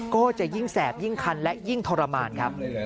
ก็จะยิ่งแสบยิ่งคันและยิ่งทรมานครับ